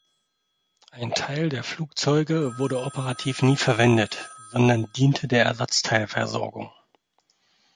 Ein Teil der Flugzeuge wurde operativ nie verwendet, sondern diente der Ersatzteilversorgung.